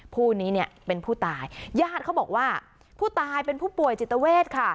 ผู้นี้เนี่ยเป็นผู้ตายญาติเขาบอกว่าผู้ตายเป็นผู้ป่วยจิตเวทค่ะ